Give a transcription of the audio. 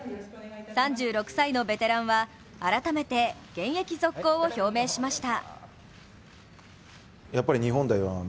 ３６歳のベテランは改めて現役続行を表明しました。